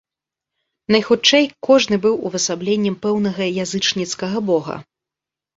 Найхутчэй, кожны быў увасабленнем пэўнага язычніцкага бога.